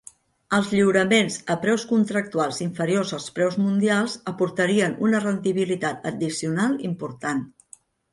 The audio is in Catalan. Els lliuraments a preus contractuals inferiors als preus mundials aportarien una rendibilitat addicional important.